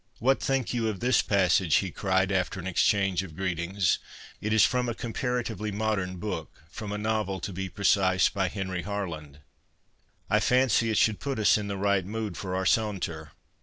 ' What think you of this passage ?' he cried after an exchange of greetings. 'It is from a comparatively modern book — from a novel, to be precise, by Henry Harland. I fancy it should put us in the right mood for our saunter.